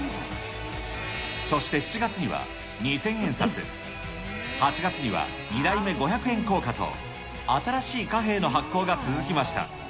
そして７月には二千円札、８月には２代目五百円硬貨と、新しい貨幣の発行が続きました。